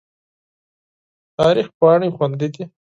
تاریخ پاڼې خوندي دي.